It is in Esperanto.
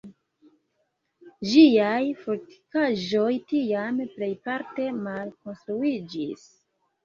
Ĝiaj fortikaĵoj tiam plejparte malkonstruiĝis.